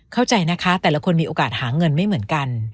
เข้าใจนะคะแต่ละคนมีโอกาสหาเงินไม่เหมือนกัน